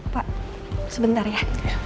pak sebentar ya